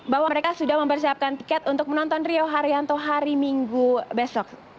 bahwa mereka sudah mempersiapkan tiket untuk menonton rio haryanto hari minggu besok